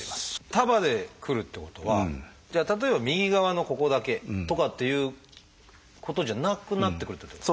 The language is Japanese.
束でくるっていうことはじゃあ例えば右側のここだけとかっていうことじゃなくなってくるっていうこと？